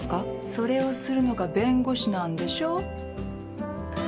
それをするのが弁護士なんでしょ？